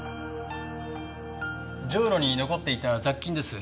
ジョウロに残っていた雑菌です。